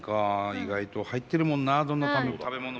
意外と入ってるもんなどんな食べ物もね。